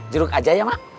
juruk aja ya mak